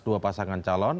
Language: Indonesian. dua pasangan calon